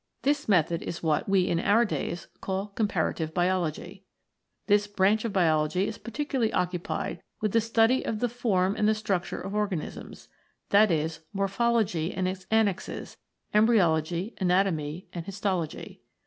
This method is what we in our days call Comparative Biology. This branch of Biology is particularly occupied with the study of the form and the structure of organisms, that is, Mor phology and its annexes, Embryology, Anatomy, and Histology.